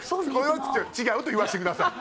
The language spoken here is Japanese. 違うと言わせてください